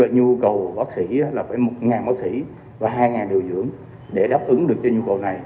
nhu cầu bác sĩ là phải một bác sĩ và hai điều dưỡng để đáp ứng được cho nhu cầu này